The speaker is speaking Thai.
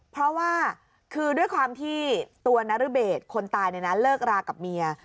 เพราะว่าคือด้วยความที่ตัวนรเบศคนตายเลิกรากับเมีย